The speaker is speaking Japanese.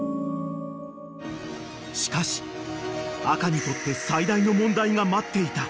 ［しかし赤にとって最大の問題が待っていた］